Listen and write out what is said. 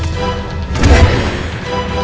tuh be tuh be